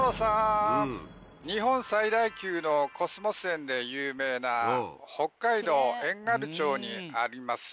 日本最大級のコスモス園で有名な北海道・遠軽町にあります